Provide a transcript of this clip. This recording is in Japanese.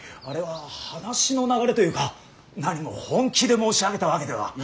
あれは話の流れというかなにも本気で申し上げたわけでは。